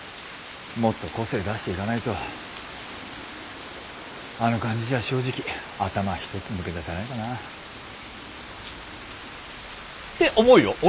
もっと個性出していかないとあの感じじゃ正直頭一つ抜け出せないかな。って思うよ。